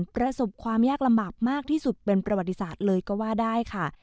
ประสบความยากลำบากมากที่สุดเป็นประวัติศาสตร์เลยก็ว่าได้ค่ะ